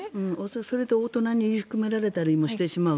それと、大人に言いくるめられたりもしてしまう。